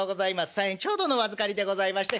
３円ちょうどのお預かりでございまして。